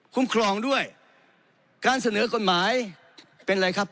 ครองด้วยการเสนอกฎหมายเป็นอะไรครับ